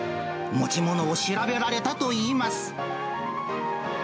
持ち物を調べられたといいます。